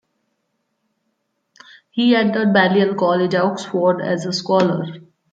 He entered Balliol College, Oxford, as a scholar.